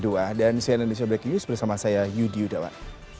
dan cnn indonesia breaking news bersama saya yudhiyu dawan